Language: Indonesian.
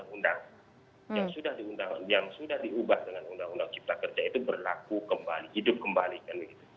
undang undang yang sudah diubah dengan undang undang cipta kerja itu berlaku kembali hidup kembali kan